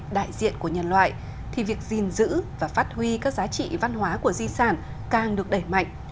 đại diện của nhân loại thì việc gìn giữ và phát huy các giá trị văn hóa của di sản càng được đẩy mạnh